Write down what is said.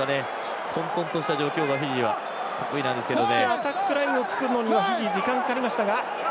混とんとした状況がフィジーは得意なんですけどね。